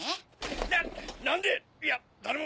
な何でいや誰も